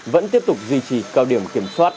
vẫn tiếp tục duy trì cao điểm kiểm soát